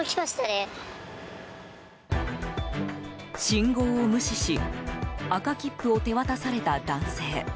信号を無視し赤切符を手渡された男性。